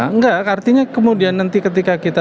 enggak artinya kemudian nanti ketika kita